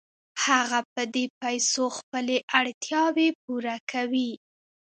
هغه په دې پیسو خپلې اړتیاوې پوره کوي